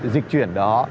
dịch chuyển đó